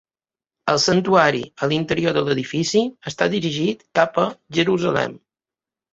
El santuari a l'interior de l'edifici està dirigit cap a Jerusalem.